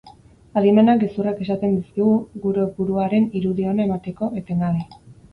Adimenak gezurrak esaten dizkigu gure buruaren irudi ona emateko, etengabe.